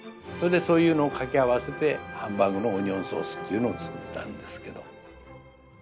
それでそういうのをかけ合わせてハンバーグのオニオンソースっていうのを作ったんですけど。